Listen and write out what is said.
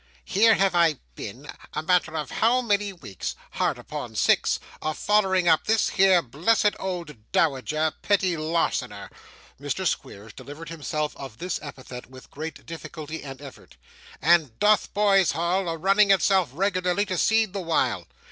Here have I been, a matter of how many weeks hard upon six a follering up this here blessed old dowager petty larcenerer,' Mr. Squeers delivered himself of this epithet with great difficulty and effort, 'and Dotheboys Hall a running itself regularly to seed the while!